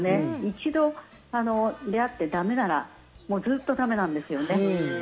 一度、出会ってだめならずっとだめなんですよね。